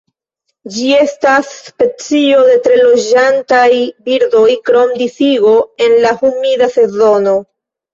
Ĝi estas specio de tre loĝantaj birdoj, krom disigo en la humida sezono.